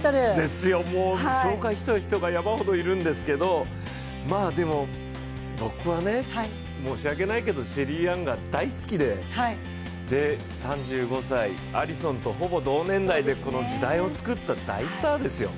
もう紹介したい人が山ほどいるんですが、でも僕は、申し訳ないけど、シェリーアンが大好きで３５歳、アリソンとほぼ同年代で時代を作った大スターですよ。